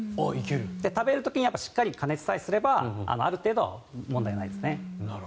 食べる時にしっかり加熱さえすればある程度、問題ないですね。